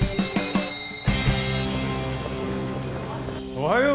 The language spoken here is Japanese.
おはよう！